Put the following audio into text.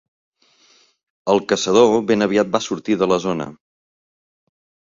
El caçador ben aviat va sortir de la zona.